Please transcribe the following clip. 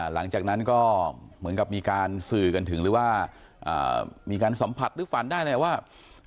หลังจากนั้นก็เหมือนกับมีการสื่อกันถึงหรือว่ามีการสัมผัสหรือฝันได้เลยว่า